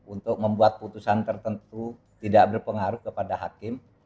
untuk membuat putusan tertentu tidak berpengaruh kepada hakim